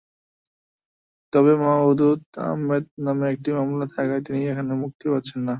তবে মওদুদ আহমদের নামে একটি মামলা থাকায় তিনি এখনই মুক্তি পাচ্ছেন না।